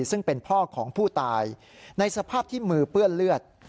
ซึ่งเป็นพ่อของผู้ตายในสภาพที่มือเปื้อนเลือด